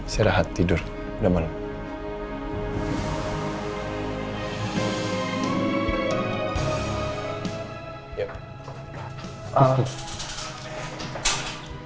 saya rahat tidur udah malam